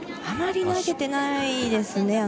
あまり投げていないですね。